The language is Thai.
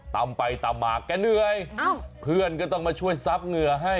ตำไปตำมาแกเหนื่อยเพื่อนก็ต้องมาช่วยซับเหงื่อให้